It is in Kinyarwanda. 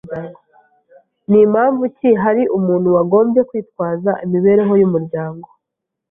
Ni mpamvu ki hari umuntu wagombye kwitwaza imibereho y’umuryango